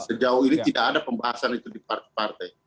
dan sejauh ini tidak ada pembahasan itu di partai